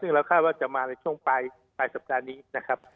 ซึ่งเราคาดว่าจะมาในช่วงปลายสัปดาห์นี้นะครับ